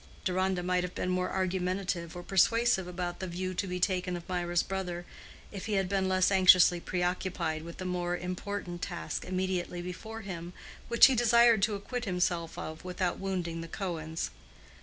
Deronda might have been more argumentative or persuasive about the view to be taken of Mirah's brother, if he had been less anxiously preoccupied with the more important task immediately before him, which he desired to acquit himself of without wounding the Cohens.